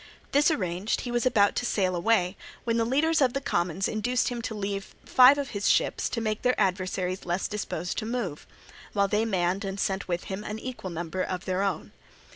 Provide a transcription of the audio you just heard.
This arranged, he was about to sail away, when the leaders of the commons induced him to leave them five of his ships to make their adversaries less disposed to move, while they manned and sent with him an equal number of their own.